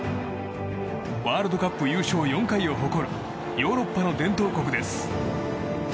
ワールドカップ優勝４回を誇るヨーロッパの伝統国です。